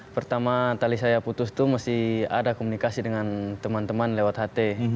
pertama tali saya putus itu masih ada komunikasi dengan teman teman lewat ht